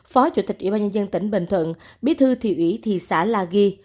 phó chủ tịch ủy ban nhân dân tỉnh bình thuận bí thư thị ủy thị xã la ghi